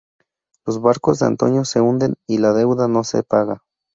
Los barcos de Antonio se hunden y la deuda no se paga.